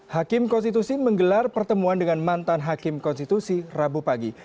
hakim konstitusi menggelar pertemuan dengan mantan hakim konstitusi rabu pagi